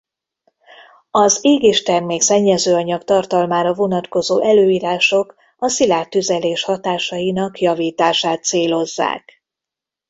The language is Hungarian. Az égéstermék szennyezőanyag tartalmára vonatkozó előírások a szilárd tüzelés hatásainak javítását célozzák.